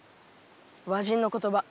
和人の言葉